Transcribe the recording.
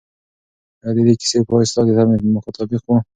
آیا د دې کیسې پای ستا د تمې مطابق و؟